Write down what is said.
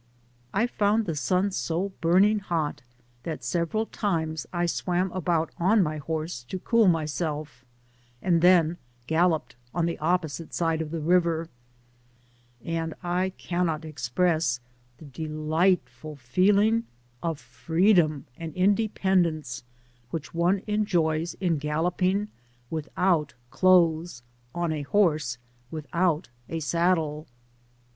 I found the sun so burning hot, that several times I swam about on my horse to cool myself, and then galloped on the opposite side of the river, and I cannot express the delightful feeling of freedom and independence which one enjoys in galloping without clothes on a horse without a saddle.